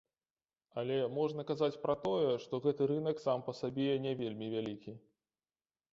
Але можна казаць пра тое, што гэты рынак сам па сабе не вельмі вялікі.